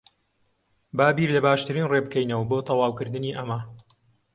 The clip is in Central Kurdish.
با بیر لە باشترین ڕێ بکەینەوە بۆ تەواوکردنی ئەمە.